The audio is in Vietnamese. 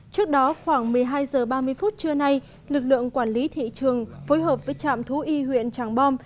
trước đó khoảng một mươi hai h ba mươi phút trưa nay lực lượng quản lý thị trường phối hợp với trạm thú y huyện tràng bom